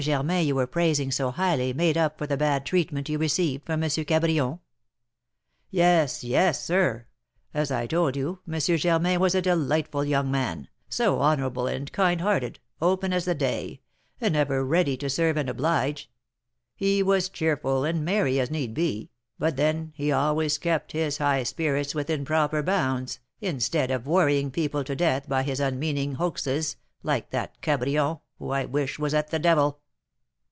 Germain you were praising so highly made up for the bad treatment you received from M. Cabrion?" "Yes, yes, sir; as I told you, M. Germain was a delightful young man, so honourable and kind hearted, open as the day, and ever ready to serve and oblige; he was cheerful and merry as need be, but then he always kept his high spirits within proper bounds instead of worrying people to death by his unmeaning hoaxes, like that Cabrion, who I wish was at the devil!"